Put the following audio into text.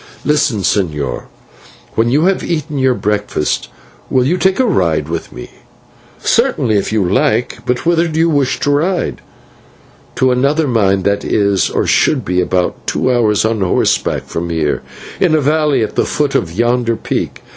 Listen, señor, when you have eaten your breakfast, will you take a ride with me?" "Certainly, if you like. But whither do you wish to ride?" "To another mine that is, or should be, about two hours on horseback from here, in a valley at the foot of yonder peak.